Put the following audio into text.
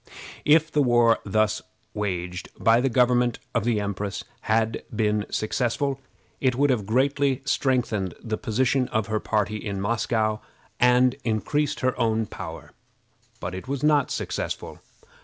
If the war thus waged by the government of the empress had been successful, it would have greatly strengthened the position of her party in Moscow, and increased her own power; but it was not successful.